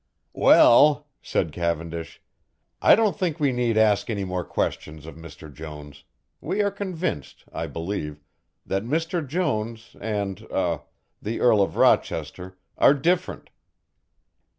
"Well," said Cavendish, "I don't think we need ask any more questions of Mr. Jones; we are convinced, I believe, that Mr. Jones and er the Earl of Rochester are different."